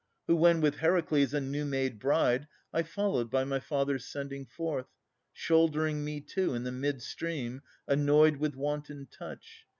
Who, when with Heracles, a new made bride, I followed by my father's sending forth, Shouldering me too, in the mid stream, annoyed With wanton touch.